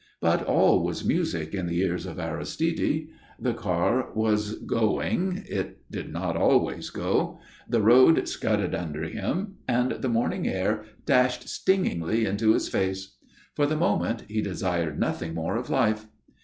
But all was music in the ears of Aristide. The car was going (it did not always go), the road scudded under him, and the morning air dashed stingingly into his face. For the moment he desired nothing more of life.